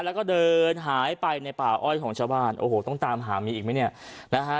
แล้วก็เดินหายไปในป่าอ้อยของชาวบ้านโอ้โหต้องตามหามีอีกไหมเนี่ยนะฮะ